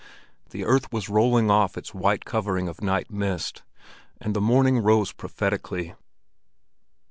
The earth was rolling off its white covering of night mist, and the morning rose prophetically.